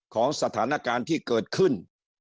สถานการณ์ที่เกิดขึ้น